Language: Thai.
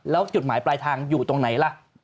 แล้วจุดหมายปลายทางอยู่ตรงไหนล่ะ